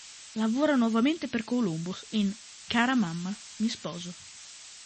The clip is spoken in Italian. Lavora nuovamente per Columbus in "Cara mamma, mi sposo".